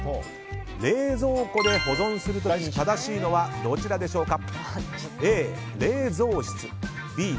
冷蔵庫で保存する場合正しいのはどちらでしょうか？